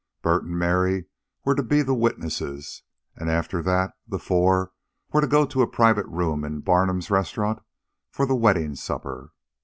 Bert and Mary were to be the witnesses, and after that the four were to go to a private room in Barnum's Restaurant for the wedding supper.